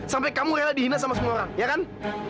sampai kamu rela dihina sama semua orang ya kan